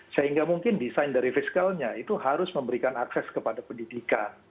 sehingga mungkin desain dari fiskalnya itu harus memberikan akses kepada pendidikan